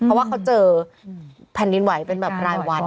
เพราะว่าเขาเจอแผ่นดินไหวเป็นแบบรายวัน